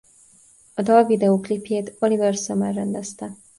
A dal videóklipjét Oliver Sommer rendezte.